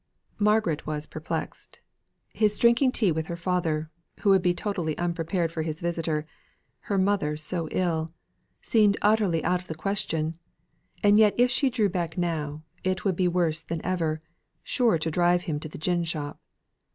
Margaret was perplexed; his drinking tea with her father, who would be totally unprepared for his visitor her mother so ill seemed utterly out of the question; and yet, if she drew back now, it would be worse than ever sure to drive him to the gin shop.